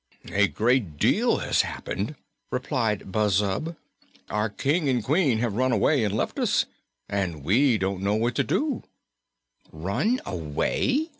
"A great deal has happened," replied Buzzub. "Our King and Queen have run away and left us, and we don't know what to do." "Run away!"